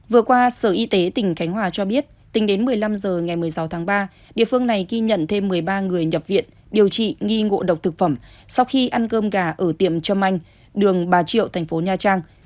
vừa qua sở y tế tỉnh khánh hòa cho biết tính đến một mươi năm h ngày một mươi sáu tháng ba địa phương này ghi nhận thêm một mươi ba người nhập viện điều trị nghi ngộ độc thực phẩm sau khi ăn cơm gà ở tiệm trâm anh đường bà triệu thành phố nha trang